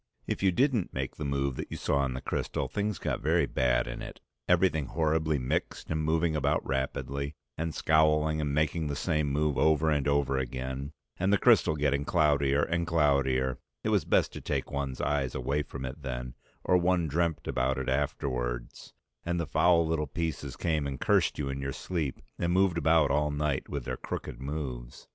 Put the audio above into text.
If you didn't make the move that you saw in the crystal things got very bad in it, everything horribly mixed and moving about rapidly, and scowling and making the same move over and over again, and the crystal getting cloudier and cloudier; it was best to take one's eyes away from it then, or one dreamt about it afterwards, and the foul little pieces came and cursed you in your sleep and moved about all night with their crooked moves.